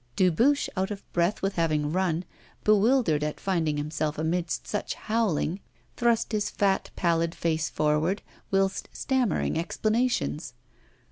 Dubuche, out of breath with having run, bewildered at finding himself amidst such howling, thrust his fat, pallid face forward, whilst stammering explanations.